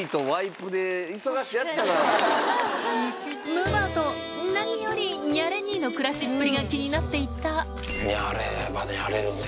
むぅばあと何よりニャレ兄の暮らしっぷりが気になっていたニャれればニャれるね